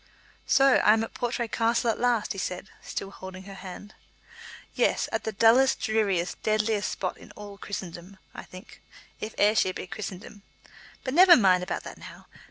"So I am at Portray Castle at last," he said, still holding her hand. "Yes, at the dullest, dreariest, deadliest spot in all Christendom, I think, if Ayrshire be Christendom. But never mind about that now.